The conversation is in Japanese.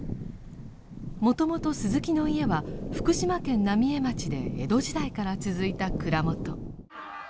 もともと鈴木の家は福島県浪江町で江戸時代から続いた蔵元。